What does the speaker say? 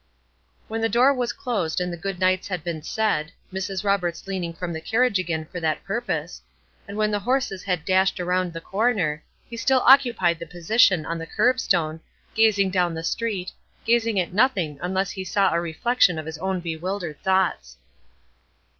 When the door was closed and the goodnights had been said, Mrs. Roberts leaning from the carriage again for that purpose, and when the horses had dashed around the corner, he still occupied his position on the curbstone, gazing down the street, gazing at nothing unless he saw a reflection of his own bewildered thoughts.